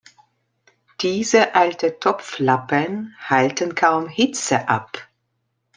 Diese alten Topflappen halten kaum Hitze ab.